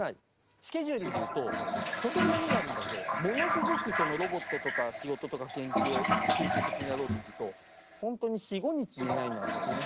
スケジュールでいうととても波があるんだけどものすごくロボットとか仕事とか研究を集中的にやろうとすると本当に４５日寝ないのは普通ね。